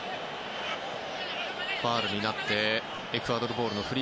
ファウルになってエクアドルボール。